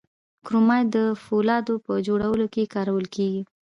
کرومایټ د فولادو په جوړولو کې کارول کیږي.